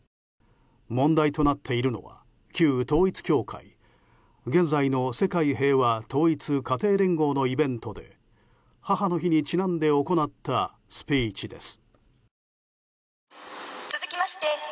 問題となっているのは旧統一教会現在の世界平和統一家庭連合のイベントで母の日にちなんで行ったスピーチです。